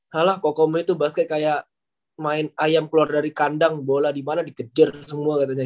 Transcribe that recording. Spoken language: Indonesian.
halah kokamnya itu basket kayak main ayam keluar dari kandang bola di mana dikejar semua katanya